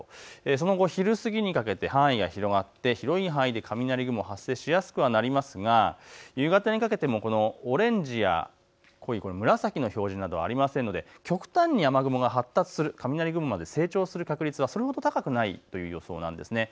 その後、昼過ぎにかけて範囲が広がって広い範囲で雷雲が発生しやすくはなりますが夕方にかけてもオレンジや濃い紫の表示はないので極端に雨雲が発達する、雷雲まで発達する確率はそれほど高くないです。